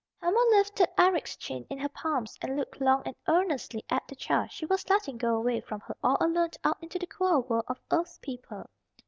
Helma lifted Eric's chin in her palms and looked long and earnestly at the child she was letting go away from her all alone out into the queer world of Earth People.